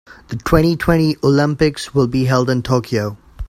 The twenty-twenty Olympics will be held in Tokyo.